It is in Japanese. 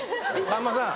さんまさん